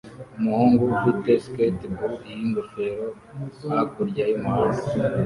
Umuhungu ufite skatebo yingofero hakurya y'umuhanda